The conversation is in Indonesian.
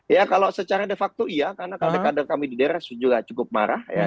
ya kalau secara de facto iya karena kader kader kami di daerah juga cukup marah ya